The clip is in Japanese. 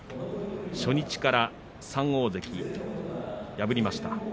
初日から３大関破りました。